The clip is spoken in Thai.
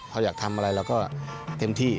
เขาอยากทำอะไรเราก็เต็มที่